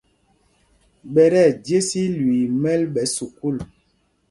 Ɓɛ tí ɛjes ilüii í mɛ́l ɓɛ sukûl.